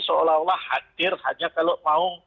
seolah olah hadir hanya kalau mau